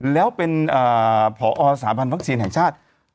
แล้วเป็นผอสาพันธ์วัคซีนแห่งชาติ